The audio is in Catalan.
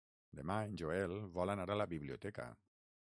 Demà en Joel vol anar a la biblioteca.